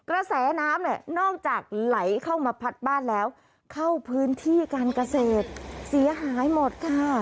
กระแสน้ำนอกจากไหลเข้ามาผัดบ้านแล้วจะเข้าบนที่การกเศษเสียหายหมด